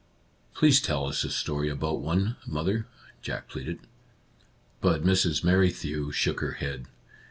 " Please tell us a story about one, mother," Jack pleaded. But Mrs. Merrithew shook her head.